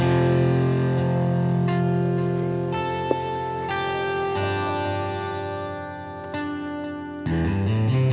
gila beres sih